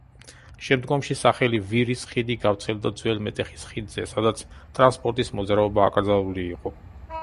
შემდგომში სახელი „ვირის ხიდი“ გავრცელდა ძველ მეტეხის ხიდზე, სადაც ტრანსპორტის მოძრაობა აკრძალული იყო.